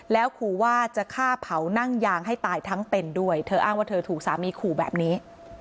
แล้วขู่ว่าจะฆ่าเผานั่งยางให้ตายทั้งเป็นด้วยเธออ้างว่าเธอถูกสามีขู่แบบนี้